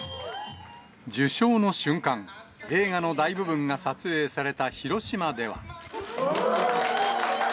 受賞の瞬間、映画の大部分が撮影された広島では。